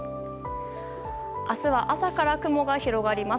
明日は朝から雲が広がります。